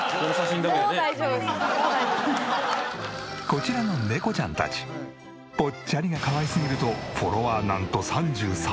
こちらの猫ちゃんたちぽっちゃりがかわいすぎるとフォロワーなんと３３万人。